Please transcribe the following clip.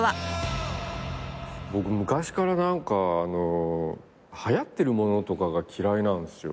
僕昔からはやってるものとかが嫌いなんですよ。